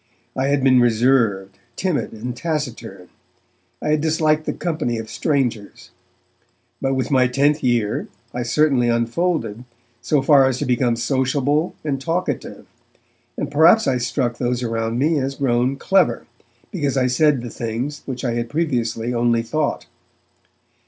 I had been reserved, timid and taciturn; I had disliked the company of strangers. But with my tenth year, I certainly unfolded, so far as to become sociable and talkative, and perhaps I struck those around me as grown 'clever', because I said the things which I had previously only thought.